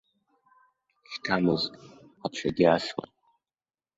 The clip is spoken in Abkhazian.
Хьҭамыз, аԥшагьы асуан.